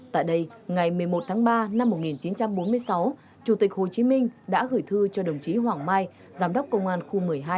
tại đây ngày một mươi một tháng ba năm một nghìn chín trăm bốn mươi sáu chủ tịch hồ chí minh đã gửi thư cho đồng chí hoàng mai giám đốc công an khu một mươi hai